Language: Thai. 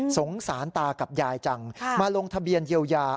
สงสารตากับยายจังมาลงทะเบียนเยียวยา